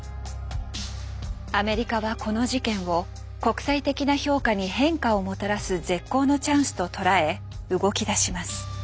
アメリカはこの事件を国際的な評価に変化をもたらす絶好のチャンスと捉え動きだします。